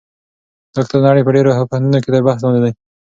دا کتاب د نړۍ په ډېرو پوهنتونونو کې تر بحث لاندې دی.